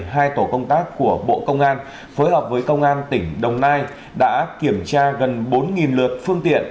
hai tổ công tác của bộ công an phối hợp với công an tỉnh đồng nai đã kiểm tra gần bốn lượt phương tiện